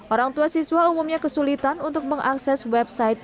orang tua siswa umumnya kesulitan untuk mengakses website